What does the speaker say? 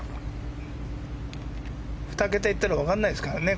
２桁行ったらわからないですからね。